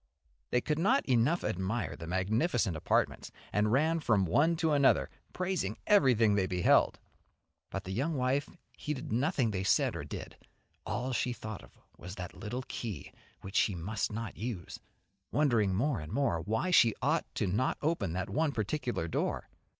They could not enough admire the magnificent apartments, and ran from one to another praising everything they beheld. But the young wife heeded nothing they said or did, all she thought of was that little key which she must not use, wondering more and more why she ought not to open that one particular door.